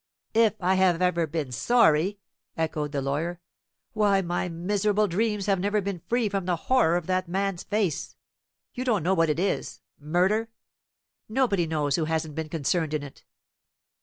"If I have ever been sorry!" echoed the lawyer. "Why, my miserable dreams have never been free from the horror of that man's face. You don't know what it is murder! Nobody knows who hasn't been concerned in it.